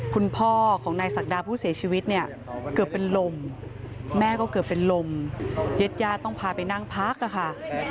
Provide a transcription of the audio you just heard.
คุณพ่อของนายศักดาผู้เสียชีวิตเนี่ยเกือบเป็นลมแม่ก็เกือบเป็นลมเย็ดญาติต้องพาไปนั่งพักค่ะ